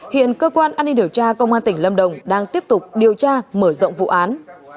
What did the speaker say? hiện cơ quan an ninh điều tra công an tỉnh lâm đồng đang tiếp tục điều tra mở rộng vụ án